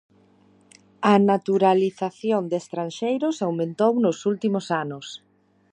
A naturalización de estranxeiros aumentou nos últimos anos.